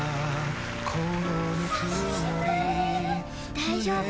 大丈夫。